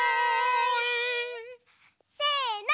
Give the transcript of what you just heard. せの。